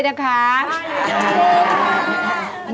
อะไรมั้ยครับ